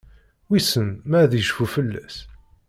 Wissen ma ad icfu fell-as?